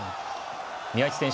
宮市選手